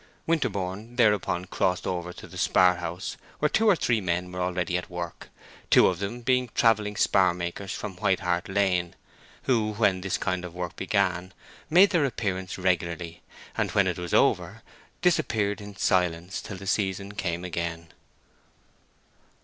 Winterborne thereupon crossed over to the spar house where two or three men were already at work, two of them being travelling spar makers from White hart Lane, who, when this kind of work began, made their appearance regularly, and when it was over disappeared in silence till the season came again.